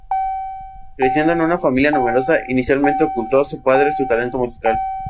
Creciendo en una familia numerosa, inicialmente ocultó a su padre su talento musical.